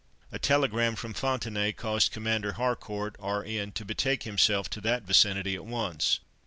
A telegram from Fontenaye caused Commander Harcourt, R.N., to betake himself to that vicinity at once.